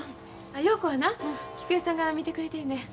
陽子はな菊江さんが見てくれてるのや。